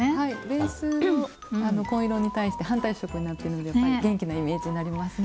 ベースの紺色に対して反対色になっているのでやっぱり元気なイメージになりますね。